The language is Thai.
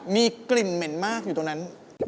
มีกลิ่นเหม็นมากอยู่ตรงนั้น